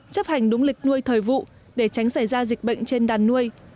chấp hành đúng lịch nuôi thời vụ để tránh xảy ra dịch bệnh trên đàn nuôi